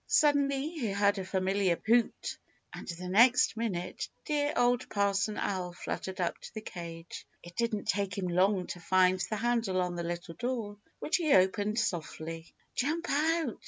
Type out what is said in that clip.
Suddenly, he heard a familiar hoot, and the next minute dear Old Parson Owl fluttered up to the cage. It didn't take him long to find the handle on the little door, which he opened softly. "Jump out!"